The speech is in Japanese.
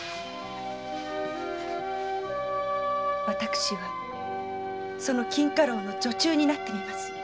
私はその錦花楼の女中になってみます。